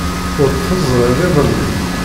Ur t-teẓriḍ iḍelli?